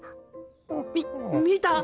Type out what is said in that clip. みっ見た！？